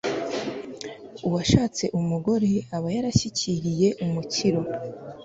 uwashatse umugore aba yarashyikiriye umukiro